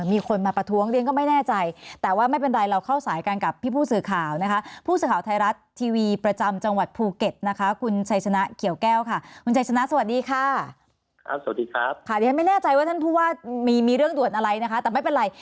ไม่แน่ใจว่าท่านผู้ว่ามีเรื่องด่วนอะไรนะคะแต่ไม่เป็นไร